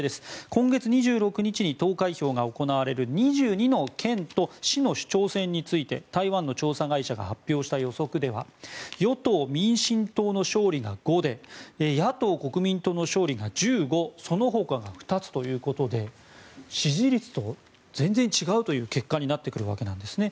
今月２６日に投開票が行われる２２の県と市の首長選について台湾の調査会社が発表した予測では与党・民進党の勝利が５で野党・国民党の勝利が１５その他が２つということで支持率と全然違うという結果になってくるわけなんですね。